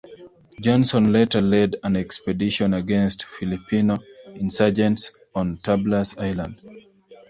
Johnson later led an expedition against Filipino insurgents on Tablas Island.